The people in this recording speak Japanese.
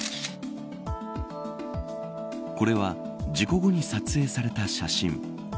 これは事故後に撮影された写真。